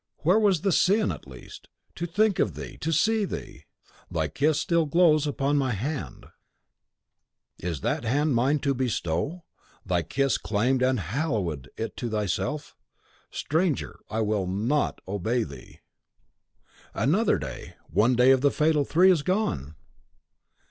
Where was the sin, at least, to think of thee, to see thee? Thy kiss still glows upon my hand; is that hand mine to bestow? Thy kiss claimed and hallowed it to thyself. Stranger, I will NOT obey thee. .... "Another day, one day of the fatal three is gone!